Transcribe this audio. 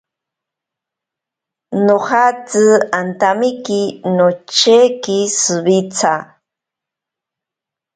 Nojatsi antamiki nocheki shiwitsa.